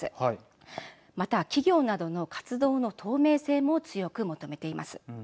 また企業などの活動の透明性も強く求めています。